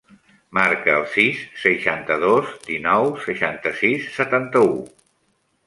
Marca el sis, seixanta-dos, dinou, seixanta-sis, setanta-u.